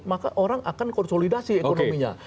maka orang akan konsolidasi ekonominya